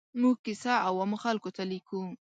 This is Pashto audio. موږ کیسه عوامو خلکو ته لیکو.